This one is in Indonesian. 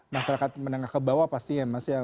masyarakat menengah ke bawah pastinya mas